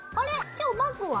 今日バッグは？